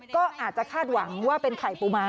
ก็อาจจะคาดหวังว่าเป็นไข่ปูม้า